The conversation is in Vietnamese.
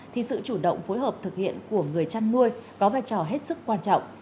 thì sự chủ động phối hợp thực hiện của người chăn nuôi có vai trò hết sức quan trọng